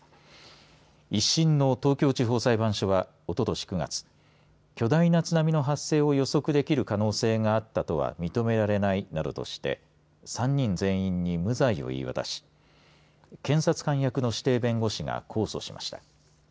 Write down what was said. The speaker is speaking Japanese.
１審の東京地方裁判所はおととし９月巨大な津波の発生を予測できる可能性があったとは認められないなどとして３人全員に無罪を言い渡し検察官役の指定弁護士が控訴しました。